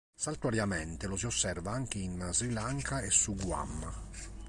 Saltuariamente lo si osserva anche in Sri Lanka e su Guam.